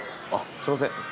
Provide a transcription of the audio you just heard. すいません。